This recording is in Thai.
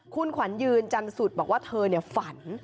คุณขวัญยืนจันสุดบอกว่าเธอฝัน